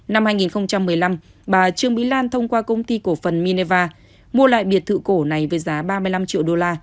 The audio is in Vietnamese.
năm hai nghìn một mươi năm bà trương mỹ lan thông qua công ty cổ phần mineva mua lại biệt thự cổ này với giá ba mươi năm triệu đô la